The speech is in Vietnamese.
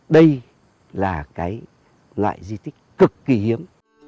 đây là cái loại di tích cực kỳ hiếm